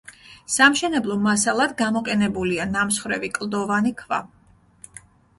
სამშენებლო მასალად გამოყენებულია ნამსხვრევი კლდოვანი ქვა.